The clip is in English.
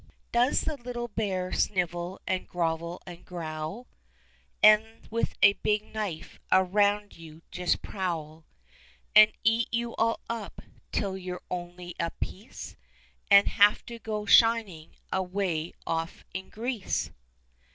Does the Little Bear snivel and grovel and growl, And with a big knife around you just prowl, And eat you all up — till you're only a piece. And have to go shining away off in Greece